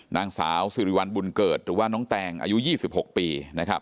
นางสาวสิริวัลบุญเกิดหรือว่าน้องแตงอายุ๒๖ปี